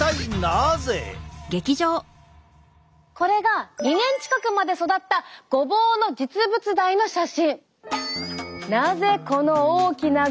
これが２年近くまで育ったごぼうの実物大の写真。